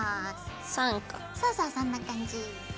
そうそうそんな感じ。